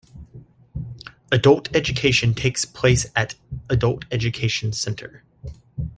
Adult education takes place at an adult education centre.